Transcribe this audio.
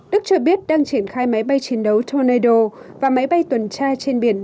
đức cho biết đang triển khai máy bay chiến đấu toneal và máy bay tuần tra trên biển